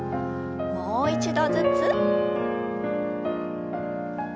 もう一度ずつ。